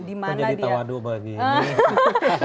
itu jadi tawadu bagi